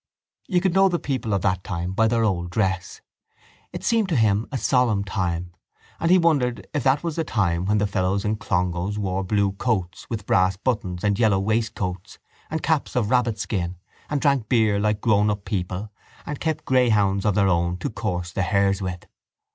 You could know the people of that time by their old dress. It seemed to him a solemn time: and he wondered if that was the time when the fellows in Clongowes wore blue coats with brass buttons and yellow waistcoats and caps of rabbitskin and drank beer like grownup people and kept greyhounds of their own to course the hares with.